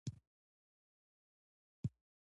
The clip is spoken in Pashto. په افغانستان کې د بادام تاریخ اوږد دی.